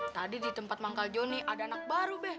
tadi di tempat manggal joni ada anak baru deh